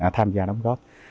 tham gia đóng góp